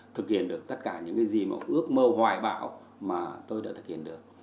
thực hiện được tất cả những cái gì mà ước mơ hoài bảo mà tôi đã thực hiện được